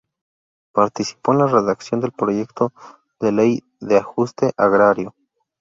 Participó en la redacción del proyecto de Ley de Ajuste Agrario.